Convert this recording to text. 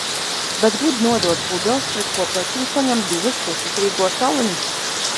Bet grib nodot pudeles, pret ko pretī saņem divus puslitrīgos aliņus.